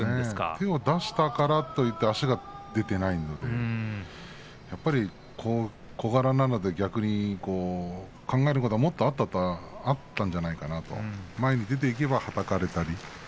手を出したからといって足が出ていないので小柄なので逆に考えることはもっとあったんじゃないかなと前に出ていけば、はたかれたり。